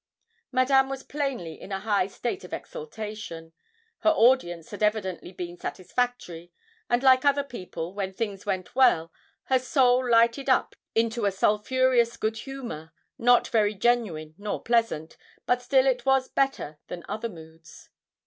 Madame was plainly in a high state of exultation. Her audience had evidently been satisfactory, and, like other people, when things went well, her soul lighted up into a sulphureous good humour, not very genuine nor pleasant, but still it was better than other moods.